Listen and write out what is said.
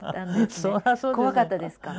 怖かったですか？